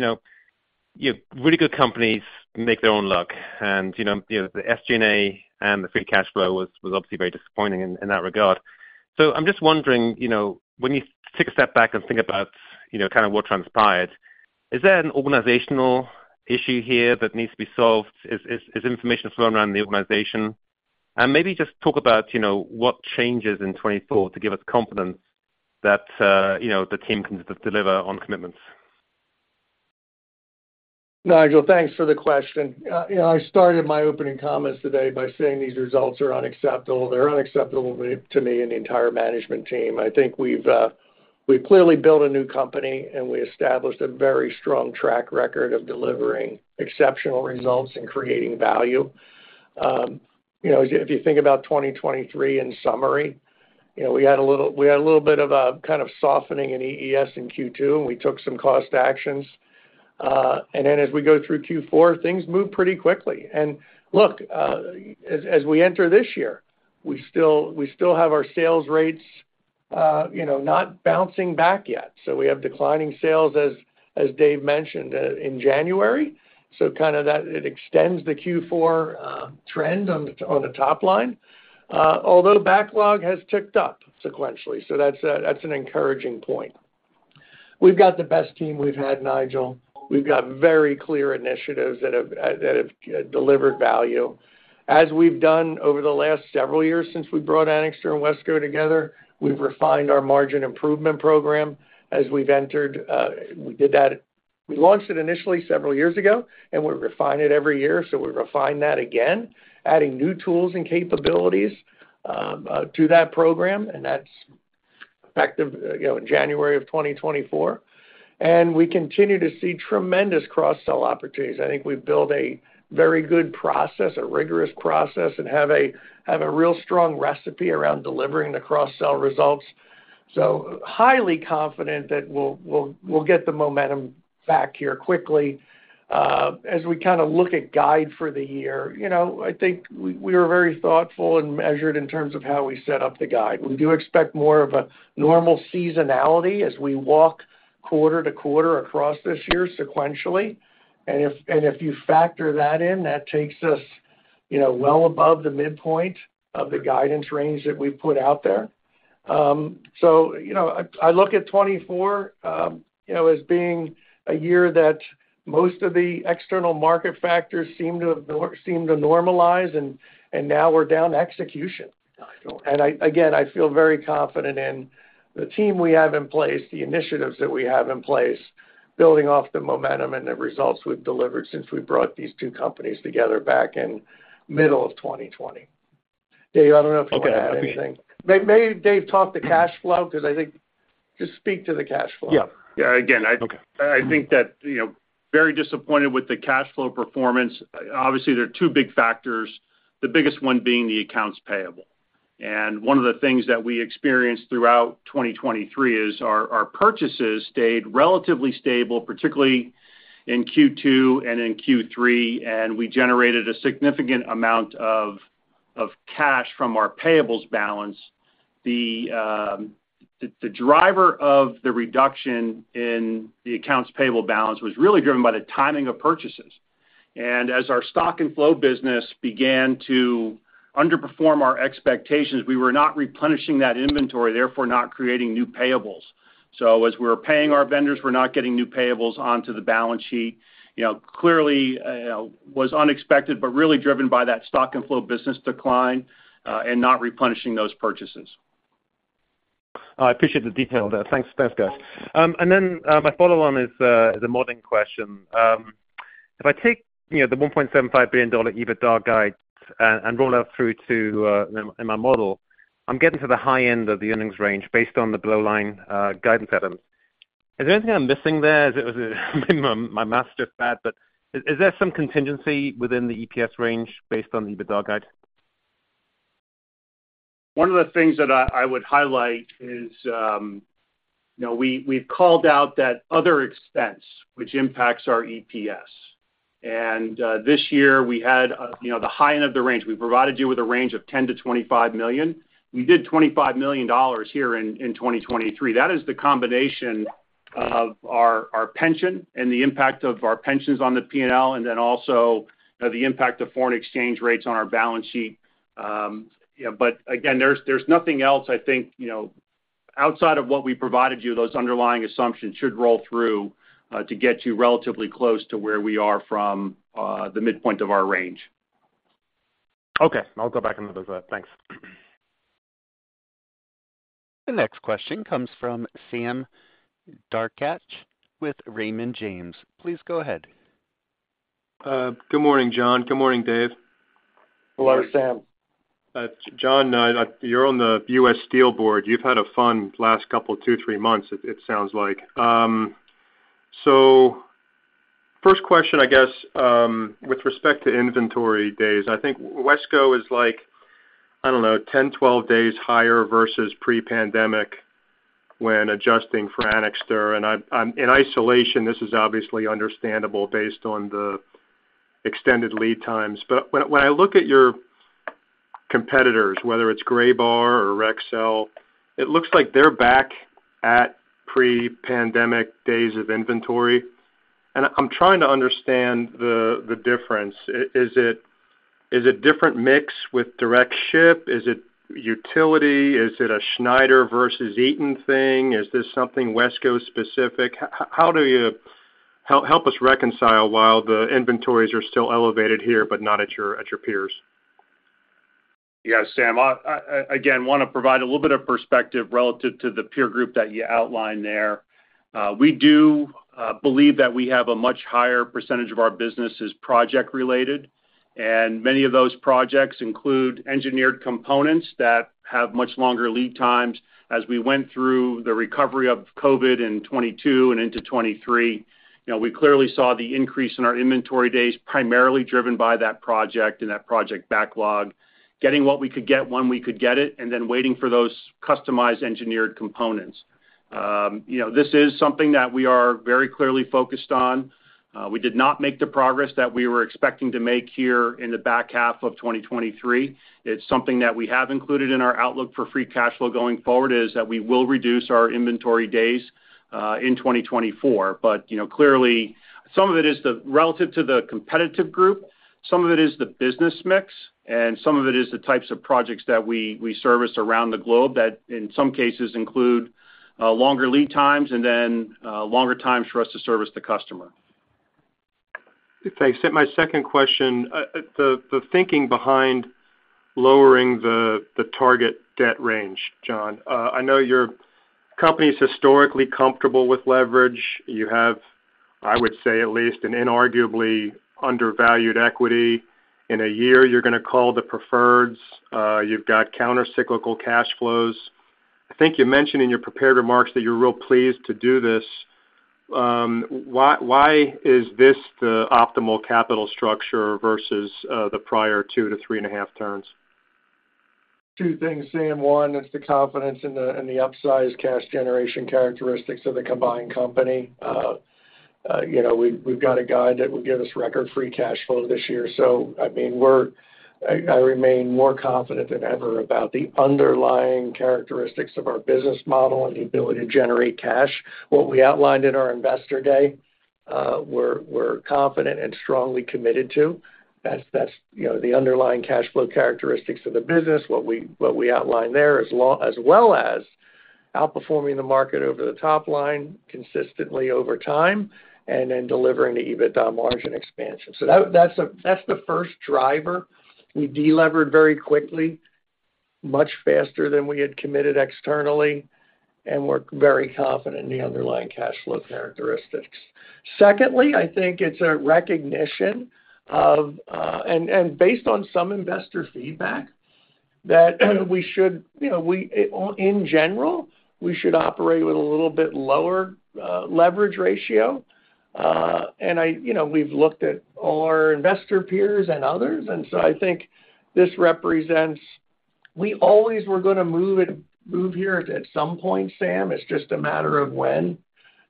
really good companies make their own luck. And the SG&A and the free cash flow was obviously very disappointing in that regard. So I'm just wondering, when you take a step back and think about kind of what transpired, is there an organizational issue here that needs to be solved? Is information flown around the organization? And maybe just talk about what changes in 2024 to give us confidence that the team can deliver on commitments. Nigel, thanks for the question. I started my opening comments today by saying these results are unacceptable. They're unacceptable to me and the entire management team. I think we've clearly built a new company, and we established a very strong track record of delivering exceptional results and creating value. If you think about 2023 in summary, we had a little bit of a kind of softening in EES in Q2, and we took some cost actions. Then as we go through Q4, things move pretty quickly. Look, as we enter this year, we still have our sales rates not bouncing back yet. So we have declining sales, as Dave mentioned, in January. So kind of that it extends the Q4 trend on the top line, although backlog has ticked up sequentially. That's an encouraging point. We've got the best team we've had, Nigel. We've got very clear initiatives that have delivered value. As we've done over the last several years since we brought Anixter and WESCO together, we've refined our margin improvement program. As we've entered, we did that. We launched it initially several years ago, and we refine it every year. So we refine that again, adding new tools and capabilities to that program. And that's effective in January of 2024. And we continue to see tremendous cross-sell opportunities. I think we've built a very good process, a rigorous process, and have a real strong recipe around delivering the cross-sell results. So highly confident that we'll get the momentum back here quickly. As we kind of look at guide for the year, I think we were very thoughtful and measured in terms of how we set up the guide. We do expect more of a normal seasonality as we walk quarter to quarter across this year sequentially. And if you factor that in, that takes us well above the midpoint of the guidance range that we've put out there. So I look at 2024 as being a year that most of the external market factors seem to normalize, and now we're down to execution. And again, I feel very confident in the team we have in place, the initiatives that we have in place, building off the momentum and the results we've delivered since we brought these two companies together back in middle of 2020. Dave, I don't know if you want to add anything. May Dave talk to cash flow because I think just speak to the cash flow. Yeah. Yeah. Again, I think that very disappointed with the cash flow performance. Obviously, there are two big factors, the biggest one being the accounts payable. And one of the things that we experienced throughout 2023 is our purchases stayed relatively stable, particularly in Q2 and in Q3. We generated a significant amount of cash from our payables balance. The driver of the reduction in the accounts payable balance was really driven by the timing of purchases. As our Stock and Flow business began to underperform our expectations, we were not replenishing that inventory, therefore not creating new payables. As we were paying our vendors, we're not getting new payables onto the balance sheet. Clearly, was unexpected but really driven by that Stock and Flow business decline and not replenishing those purchases. I appreciate the detail there. Thanks, guys. Then my follow-on is a model question. If I take the $1.75 billion EBITDA guide and roll that through in my model, I'm getting to the high end of the earnings range based on the below-line guidance items. Is there anything I'm missing there? Maybe my math's just bad, but is there some contingency within the EPS range based on the EBITDA guide? One of the things that I would highlight is we've called out that other expense, which impacts our EPS. This year, we had the high end of the range. We provided you with a range of $10 million-$25 million. We did $25 million here in 2023. That is the combination of our pension and the impact of our pensions on the P&L and then also the impact of foreign exchange rates on our balance sheet. But again, there's nothing else, I think, outside of what we provided you, those underlying assumptions should roll through to get you relatively close to where we are from the midpoint of our range. Okay. I'll go back and visit that. Thanks. The next question comes from Sam Darkatsh with Raymond James. Please go ahead. Good morning, John. Good morning, Dave. Hello, Sam. John, you're on the U.S. Steel board. You've had a fun last couple of 2, 3 months, it sounds like. So first question, I guess, with respect to inventory days, I think WESCO is, I don't know, 10, 12 days higher versus pre-pandemic when adjusting for Anixter. And in isolation, this is obviously understandable based on the extended lead times. But when I look at your competitors, whether it's Graybar or Rexel, it looks like they're back at pre-pandemic days of inventory. And I'm trying to understand the difference. Is it a different mix with direct ship? Is it utility? Is it a Schneider versus Eaton thing? Is this something WESCO-specific? How do you help us reconcile while the inventories are still elevated here but not at your peers? Yeah, Sam. Again, I want to provide a little bit of perspective relative to the peer group that you outlined there. We do believe that we have a much higher percentage of our business that is project-related. Many of those projects include engineered components that have much longer lead times. As we went through the recovery of COVID in 2022 and into 2023, we clearly saw the increase in our inventory days primarily driven by that project and that project backlog, getting what we could get when we could get it, and then waiting for those customized engineered components. This is something that we are very clearly focused on. We did not make the progress that we were expecting to make here in the back half of 2023. It's something that we have included in our outlook for Free Cash Flow going forward, that we will reduce our inventory days in 2024. But clearly, some of it is relative to the competitive group. Some of it is the business mix. And some of it is the types of projects that we service around the globe that, in some cases, include longer lead times and then longer times for us to service the customer. Thanks. My second question, the thinking behind lowering the target debt range, John, I know your company's historically comfortable with leverage. You have, I would say at least, an inarguably undervalued equity. In a year, you're going to call the preferreds. You've got countercyclical cash flows. I think you mentioned in your prepared remarks that you're real pleased to do this. Why is this the optimal capital structure versus the prior 2-3.5 turns? Two things, Sam. One, it's the confidence in the upside cash generation characteristics of the combined company. We've got a guide that would give us record free cash flow this year. So I mean, I remain more confident than ever about the underlying characteristics of our business model and the ability to generate cash, what we outlined in our Investor Day. We're confident and strongly committed to. That's the underlying cash flow characteristics of the business, what we outline there, as well as outperforming the market over the top line consistently over time and then delivering the EBITDA margin expansion. So that's the first driver. We delevered very quickly, much faster than we had committed externally. And we're very confident in the underlying cash flow characteristics. Secondly, I think it's a recognition of and based on some investor feedback that we should in general, we should operate with a little bit lower leverage ratio. And we've looked at all our investor peers and others. And so I think this represents we always were going to move here at some point, Sam. It's just a matter of when.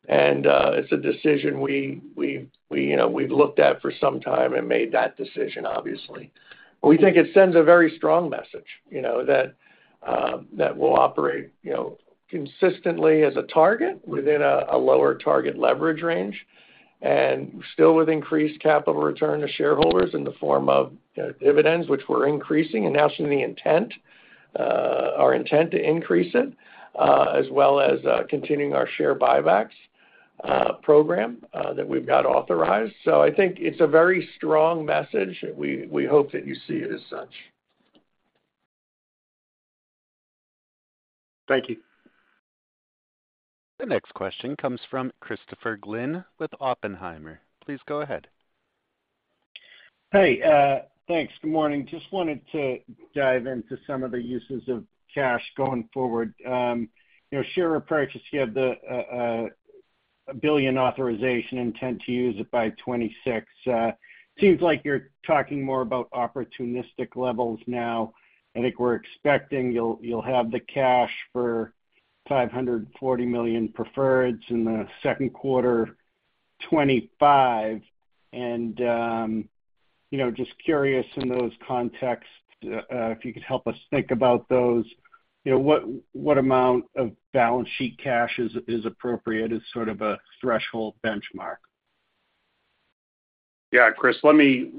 And it's a decision we've looked at for some time and made that decision, obviously. But we think it sends a very strong message that we'll operate consistently as a target within a lower target leverage range and still with increased capital return to shareholders in the form of dividends, which we're increasing. And now seeing the intent, our intent to increase it, as well as continuing our share buybacks program that we've got authorized. So I think it's a very strong message. We hope that you see it as such. Thank you. The next question comes from Christopher Glynn with Oppenheimer. Please go ahead. Hey. Thanks. Good morning. Just wanted to dive into some of the uses of cash going forward. Share repurchase, you have the $1 billion authorization, intent to use it by 2026. Seems like you're talking more about opportunistic levels now. I think we're expecting you'll have the cash for $540 million preferreds in the second quarter, 2025. And just curious in those contexts, if you could help us think about those, what amount of balance sheet cash is appropriate as sort of a threshold benchmark? Yeah, Chris, let me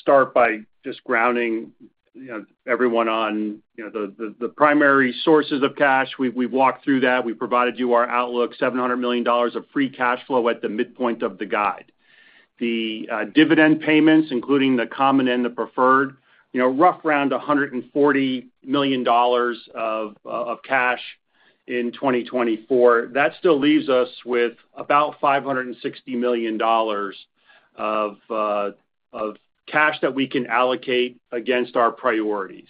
start by just grounding everyone on the primary sources of cash. We've walked through that. We provided you our outlook, $700 million of free cash flow at the midpoint of the guide. The dividend payments, including the common and the preferred, roughly $140 million of cash in 2024. That still leaves us with about $560 million of cash that we can allocate against our priorities.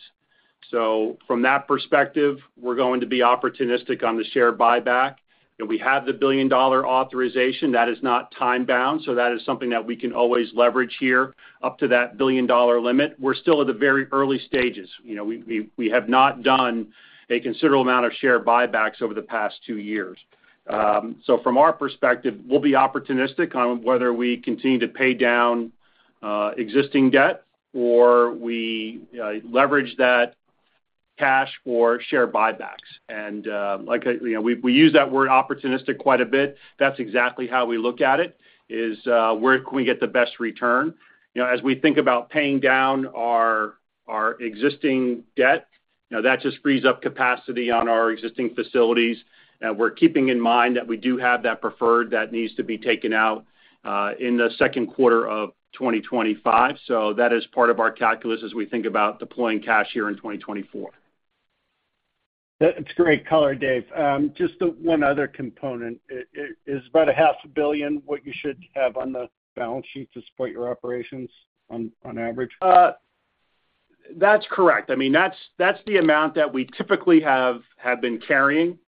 So from that perspective, we're going to be opportunistic on the share buyback. We have the $1 billion authorization. That is not time-bound. So that is something that we can always leverage here up to that $1 billion limit. We're still at the very early stages. We have not done a considerable amount of share buybacks over the past two years. So from our perspective, we'll be opportunistic on whether we continue to pay down existing debt or we leverage that cash for share buybacks. And we use that word opportunistic quite a bit. That's exactly how we look at it, is where can we get the best return. As we think about paying down our existing debt, that just frees up capacity on our existing facilities. And we're keeping in mind that we do have that preferred that needs to be taken out in the second quarter of 2025. So that is part of our calculus as we think about deploying cash here in 2024. That's great color, Dave. Just one other component. Is about $500 million what you should have on the balance sheet to support your operations on average? That's correct. I mean, that's the amount that we typically have been carrying.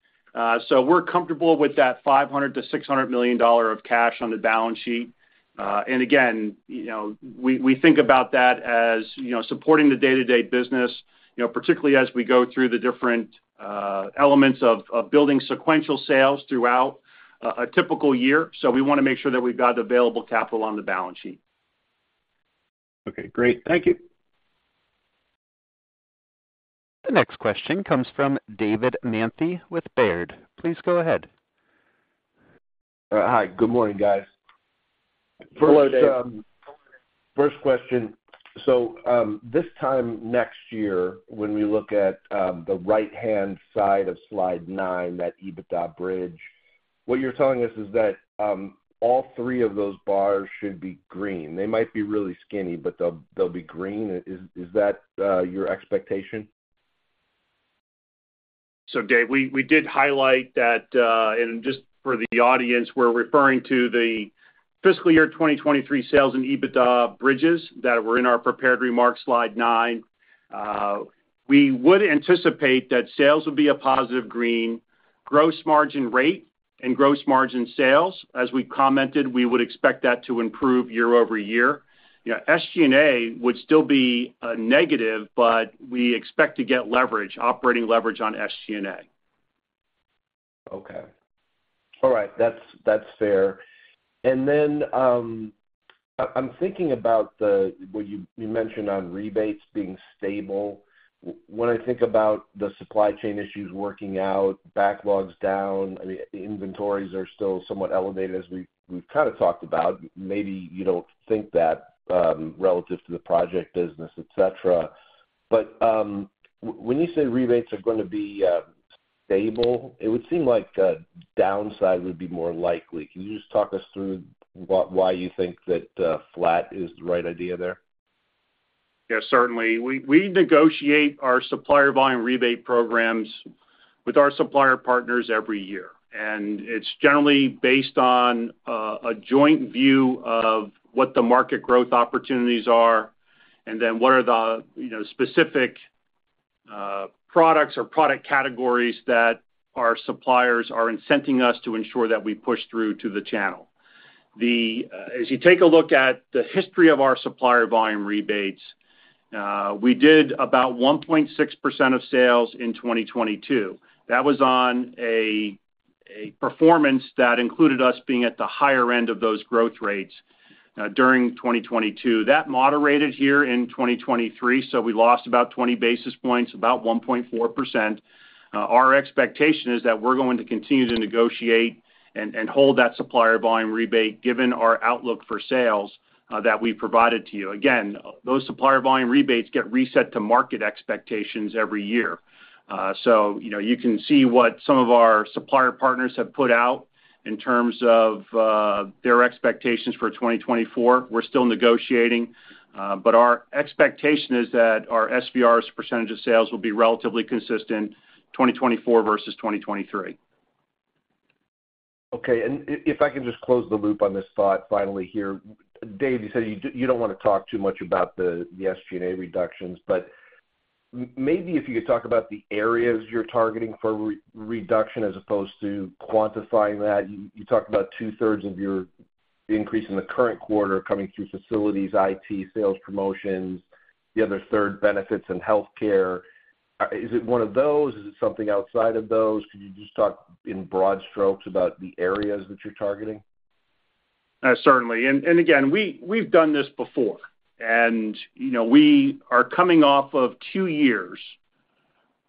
So we're comfortable with that $500 million-$600 million of cash on the balance sheet. And again, we think about that as supporting the day-to-day business, particularly as we go through the different elements of building sequential sales throughout a typical year. So we want to make sure that we've got available capital on the balance sheet. Okay. Great. Thank you. The next question comes from David Manthey with Baird. Please go ahead. Hi. Good morning, guys. Hello, Dave. First question. So this time next year, when we look at the right-hand side of slide nine, that EBITDA bridge, what you're telling us is that all three of those bars should be green. They might be really skinny, but they'll be green. Is that your expectation? So Dave, we did highlight that and just for the audience, we're referring to the fiscal year 2023 sales and EBITDA bridges that were in our prepared remarks, slide 9. We would anticipate that sales would be a positive green. Gross margin rate and gross margin sales, as we commented, we would expect that to improve year-over-year. SG&A would still be a negative, but we expect to get leverage, operating leverage on SG&A. Okay. All right. That's fair. And then I'm thinking about what you mentioned on rebates being stable. When I think about the supply chain issues working out, backlogs down, I mean, inventories are still somewhat elevated, as we've kind of talked about. Maybe you don't think that relative to the project business, etc. But when you say rebates are going to be stable, it would seem like a downside would be more likely. Can you just talk us through why you think that flat is the right idea there? Yeah, certainly. We negotiate our supplier volume rebate programs with our supplier partners every year. And it's generally based on a joint view of what the market growth opportunities are and then what are the specific products or product categories that our suppliers are incenting us to ensure that we push through to the channel. As you take a look at the history of our supplier volume rebates, we did about 1.6% of sales in 2022. That was on a performance that included us being at the higher end of those growth rates during 2022. That moderated here in 2023. So we lost about 20 basis points, about 1.4%. Our expectation is that we're going to continue to negotiate and hold that supplier volume rebate given our outlook for sales that we provided to you. Again, those supplier volume rebates get reset to market expectations every year. So you can see what some of our supplier partners have put out in terms of their expectations for 2024. We're still negotiating. But our expectation is that our SVRs, percentage of sales, will be relatively consistent 2024 versus 2023. Okay. And if I can just close the loop on this thought finally here, Dave, you said you don't want to talk too much about the SG&A reductions. But maybe if you could talk about the areas you're targeting for reduction as opposed to quantifying that. You talked about 2/3s of your increase in the current quarter coming through facilities, IT, sales, promotions, the other third benefits and healthcare. Is it one of those? Is it something outside of those? Could you just talk in broad strokes about the areas that you're targeting? Certainly. And again, we've done this before. And we are coming off of two years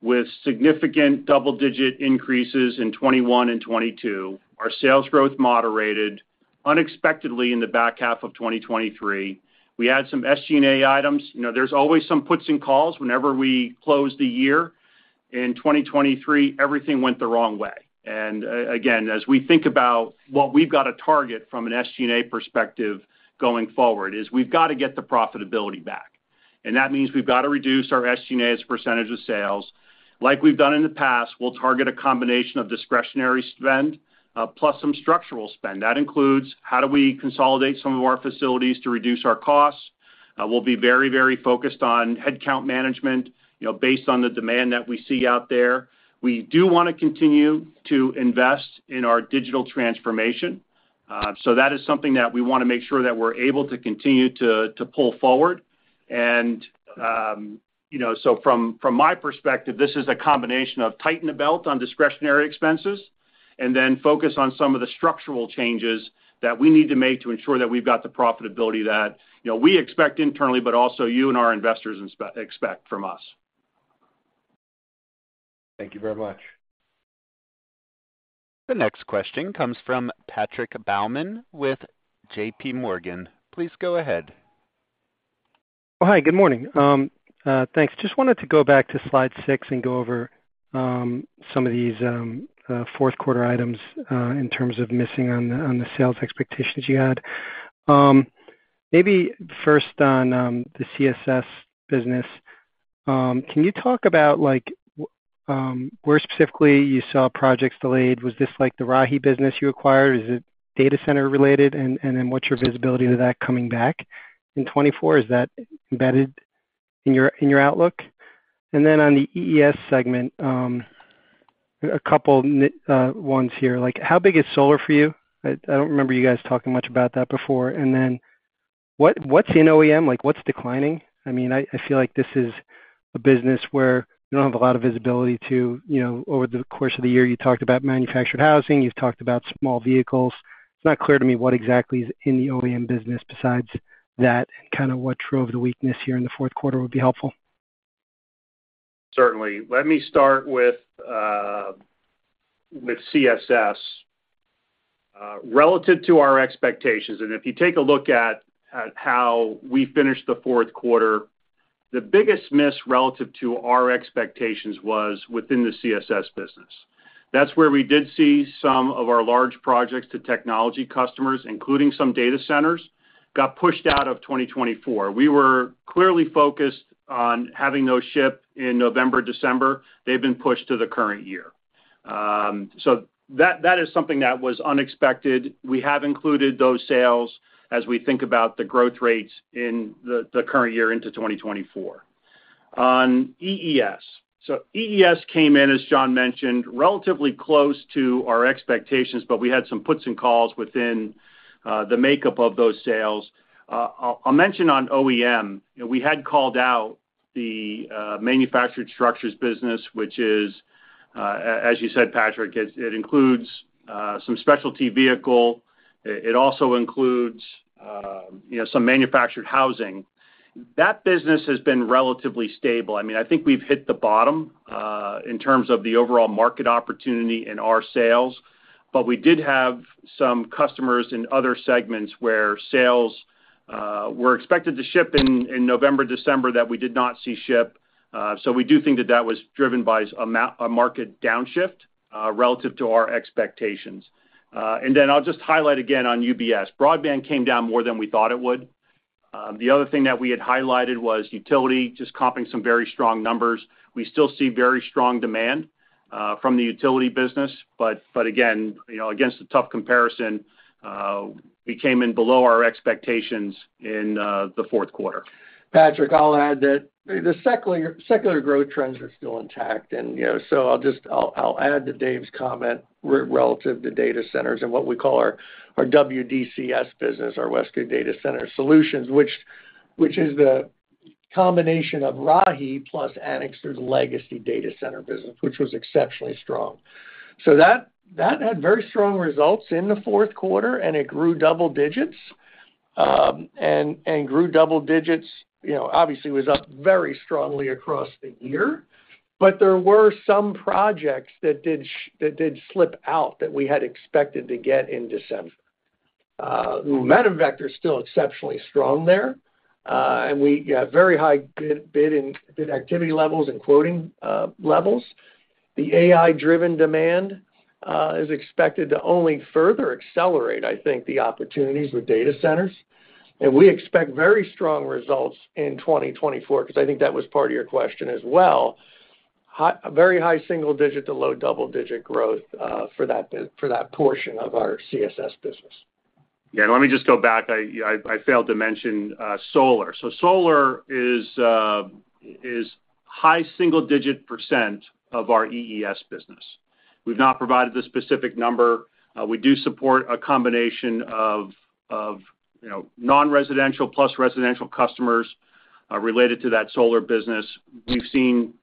with significant double-digit increases in 2021 and 2022. Our sales growth moderated unexpectedly in the back half of 2023. We add some SG&A items. There's always some puts and takes. Whenever we close the year in 2023, everything went the wrong way. And again, as we think about what we've got to target from an SG&A perspective going forward is we've got to get the profitability back. And that means we've got to reduce our SG&A as a percentage of sales. Like we've done in the past, we'll target a combination of discretionary spend plus some structural spend. That includes how do we consolidate some of our facilities to reduce our costs? We'll be very, very focused on headcount management based on the demand that we see out there. We do want to continue to invest in our digital transformation. So that is something that we want to make sure that we're able to continue to pull forward. And so from my perspective, this is a combination of tighten the belt on discretionary expenses and then focus on some of the structural changes that we need to make to ensure that we've got the profitability that we expect internally, but also you and our investors expect from us. Thank you very much. The next question comes from Patrick Baumann with JPMorgan. Please go ahead. Oh, hi. Good morning. Thanks. Just wanted to go back to slide six and go over some of these fourth-quarter items in terms of missing on the sales expectations you had. Maybe first on the CSS business, can you talk about where specifically you saw projects delayed? Was this the Rahi business you acquired? Is it data center related? And then what's your visibility to that coming back in 2024? Is that embedded in your outlook? And then on the EES segment, a couple ones here. How big is solar for you? I don't remember you guys talking much about that before. And then what's in OEM? What's declining? I mean, I feel like this is a business where you don't have a lot of visibility to over the course of the year. You talked about manufactured housing. You've talked about small vehicles. It's not clear to me what exactly is in the OEM business besides that and kind of what drove the weakness here in the fourth quarter would be helpful. Certainly. Let me start with CSS. Relative to our expectations, and if you take a look at how we finished the fourth quarter, the biggest miss relative to our expectations was within the CSS business. That's where we did see some of our large projects to technology customers, including some data centers, got pushed out of 2024. We were clearly focused on having those ship in November, December. They've been pushed to the current year. So that is something that was unexpected. We have included those sales as we think about the growth rates in the current year into 2024. On EES, so EES came in, as John mentioned, relatively close to our expectations, but we had some puts and calls within the makeup of those sales. I'll mention on OEM, we had called out the manufactured structures business, which is, as you said, Patrick, it includes some specialty vehicle. It also includes some manufactured housing. That business has been relatively stable. I mean, I think we've hit the bottom in terms of the overall market opportunity in our sales. But we did have some customers in other segments where sales were expected to ship in November, December that we did not see ship. So we do think that that was driven by a market downshift relative to our expectations. And then I'll just highlight again on UBS. Broadband came down more than we thought it would. The other thing that we had highlighted was utility, just comping some very strong numbers. We still see very strong demand from the utility business. But again, against the tough comparison, we came in below our expectations in the fourth quarter. Patrick, I'll add that the secular growth trends are still intact. So I'll add to Dave's comment relative to data centers and what we call our WDCS business, our WESCO Data Center Solutions, which is the combination of Rahi plus Anixter's legacy data center business, which was exceptionally strong. So that had very strong results in the fourth quarter, and it grew double digits. And grew double digits, obviously, was up very strongly across the year. But there were some projects that did slip out that we had expected to get in December. Demand is still exceptionally strong there. We have very high bid activity levels and quoting levels. The AI-driven demand is expected to only further accelerate, I think, the opportunities with data centers. We expect very strong results in 2024 because I think that was part of your question as well. Very high single-digit to low double-digit growth for that portion of our CSS business. Yeah. Let me just go back. I failed to mention solar. Solar is high single-digit % of our EES business. We've not provided the specific number. We do support a combination of non-residential plus residential customers related to that solar business. We've seen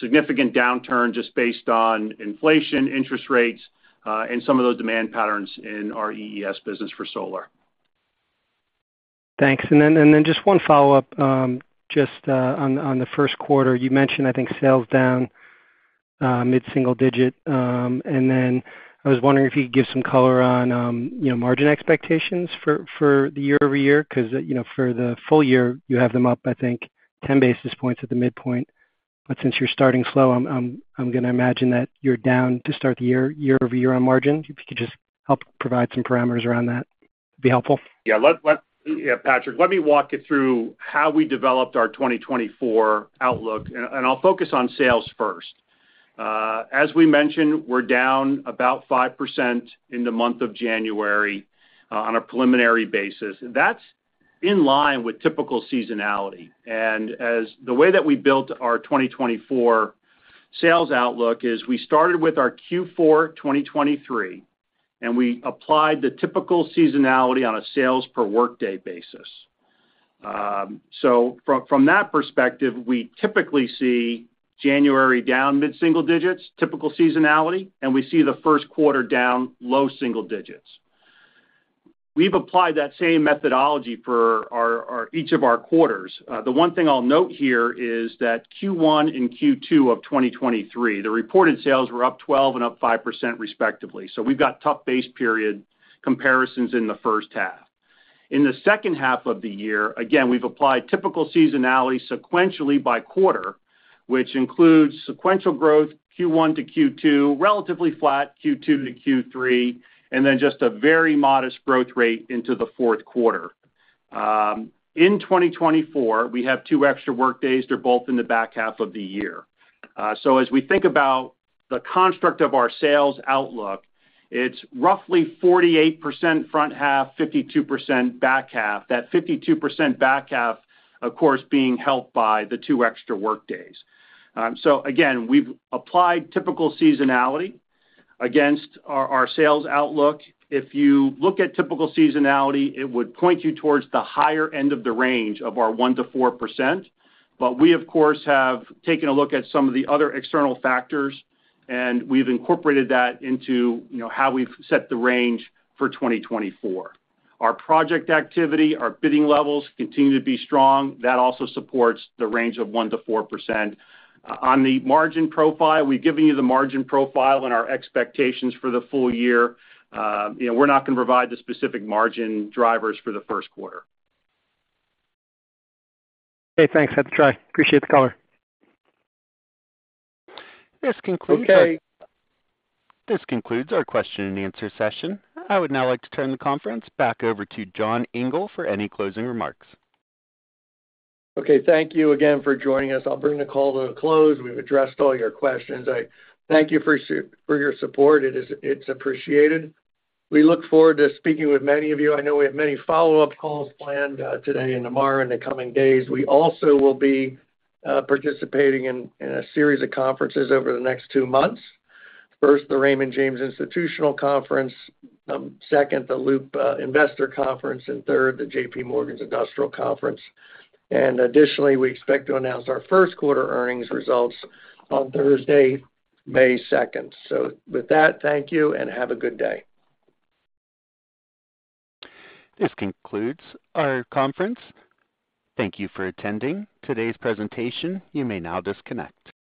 significant downturn just based on inflation, interest rates, and some of those demand patterns in our EES business for solar. Thanks. Then just one follow-up. Just on the first quarter, you mentioned, I think, sales down mid-single digit. Then I was wondering if you could give some color on margin expectations for the year-over-year because for the full-year, you have them up, I think, 10 basis points at the midpoint. But since you're starting slow, I'm going to imagine that you're down to start the year-over-year on margin. If you could just help provide some parameters around that, it'd be helpful. Yeah. Patrick, let me walk you through how we developed our 2024 outlook. I'll focus on sales first. As we mentioned, we're down about 5% in the month of January on a preliminary basis. That's in line with typical seasonality. The way that we built our 2024 sales outlook is we started with our Q4 2023, and we applied the typical seasonality on a sales per workday basis. So from that perspective, we typically see January down mid-single digits, typical seasonality, and we see the first quarter down low-single digits. We've applied that same methodology for each of our quarters. The one thing I'll note here is that Q1 and Q2 of 2023, the reported sales were up 12% and up 5%, respectively. So we've got tough base period comparisons in the first half. In the second half of the year, again, we've applied typical seasonality sequentially by quarter, which includes sequential growth Q1 to Q2, relatively flat Q2 to Q3, and then just a very modest growth rate into the fourth quarter. In 2024, we have two extra workdays. They're both in the back half of the year. So as we think about the construct of our sales outlook, it's roughly 48% front half, 52% back half, that 52% back half, of course, being helped by the two extra workdays. So again, we've applied typical seasonality against our sales outlook. If you look at typical seasonality, it would point you towards the higher end of the range of our 1%-4%. But we, of course, have taken a look at some of the other external factors, and we've incorporated that into how we've set the range for 2024. Our project activity, our bidding levels continue to be strong. That also supports the range of 1%-4%. On the margin profile, we've given you the margin profile and our expectations for the full-year. We're not going to provide the specific margin drivers for the first quarter. Okay. Thanks. I appreciate the color. This concludes our question and answer session. I would now like to turn the conference back over to John Engel for any closing remarks. Okay. Thank you again for joining us. I'll bring the call to a close. We've addressed all your questions. Thank you for your support. It's appreciated. We look forward to speaking with many of you. I know we have many follow-up calls planned today and tomorrow and the coming days. We also will be participating in a series of conferences over the next two months. First, the Raymond James Institutional Conference. Second, the Loop Investor Conference. And third, the J.P. Morgan's Industrial Conference. And additionally, we expect to announce our first quarter earnings results on Thursday, May 2nd. So with that, thank you, and have a good day. This concludes our conference. Thank you for attending today's presentation. You may now disconnect.